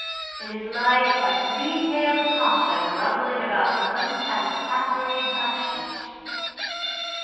It is like a three tailed Pasha grumbling about an unsatisfactory backsheesh.